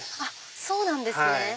そうなんですね！